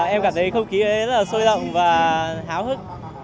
em cảm thấy không khí rất là sôi động và háo hức